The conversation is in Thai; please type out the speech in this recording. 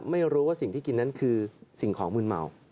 ไม่รู้ว่าสิ่งที่กินนั้นคือสิ่งของมืนเมา